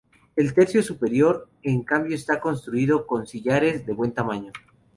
El tercio superior, en cambio, está construido con sillares de buen tamaño.